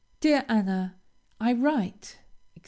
DEAR ANNA: I write, etc.